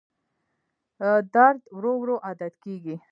درد ورو ورو عادت کېږي.